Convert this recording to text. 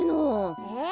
えっ？